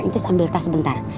ncus ambil tas sebentar